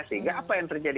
sehingga apa yang terjadi